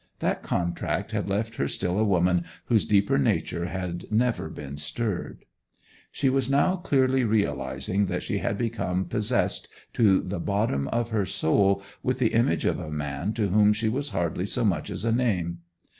That contract had left her still a woman whose deeper nature had never been stirred. She was now clearly realizing that she had become possessed to the bottom of her soul with the image of a man to whom she was hardly so much as a name.